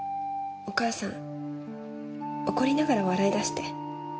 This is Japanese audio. お母さん怒りながら笑い出して。